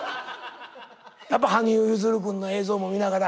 やっぱ羽生結弦君の映像も見ながら？